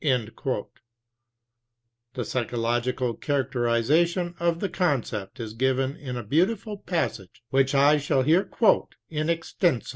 A psychological characteri zation of the concept is given in a beautiful passage which I shall here quote in extenso.